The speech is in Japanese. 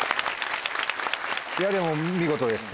いやでも見事でした